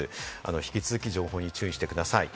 引き続き情報に注意してください。